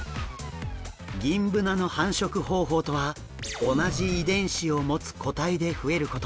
ギンブナの繁殖方法とは同じ遺伝子を持つ個体で増えること。